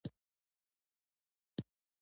پاچهي یې د یوي لويي ماتي له امله پرېښودله.